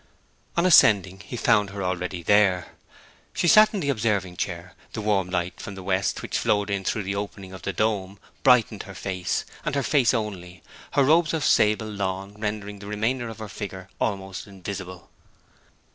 On ascending he found her already there. She sat in the observing chair: the warm light from the west, which flowed in through the opening of the dome, brightened her face, and her face only, her robes of sable lawn rendering the remainder of her figure almost invisible.